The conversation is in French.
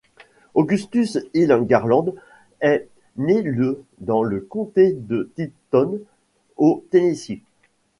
Augustus Hill Garland est né le dans le comté de Tipton au Tennessee.